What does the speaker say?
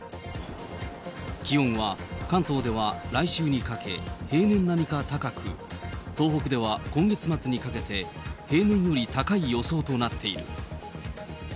気温は関東では来週にかけ、平年並みか高く、東北では今月末にかけて、平年より高い予想となっている。